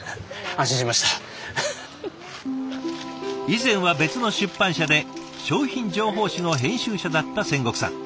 以前は別の出版社で商品情報誌の編集者だった仙石さん。